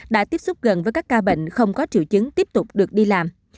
đã tiếp xúc gần với các ca bệnh không có triệu chứng tiếp tục được đi làm